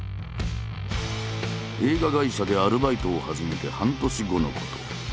映画会社でアルバイトを始めて半年後のこと。